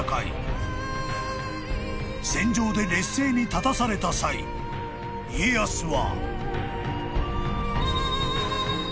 ［戦場で劣勢に立たされた際家康は］